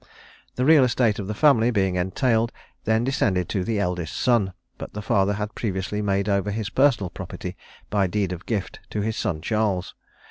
The real estate of the family, being entailed, then descended to the eldest son; but the father had previously made over his personal property by deed of gift to his son Charles.